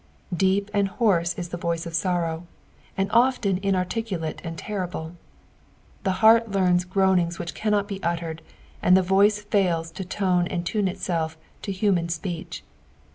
Deep and hoarse is the voiee of sorrow, and often inarticulate and terrible. The heart teams groanings which cannot be uttered, and the voice fails to tone and tune itself to human speech.